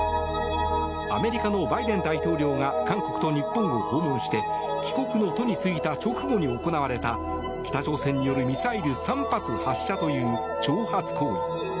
アメリカのバイデン大統領が韓国と日本を訪問して帰国の途に就いた直後に行われた北朝鮮によるミサイル３発発射という挑発行為。